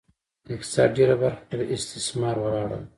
د اقتصاد ډېره برخه پر استثمار ولاړه وه.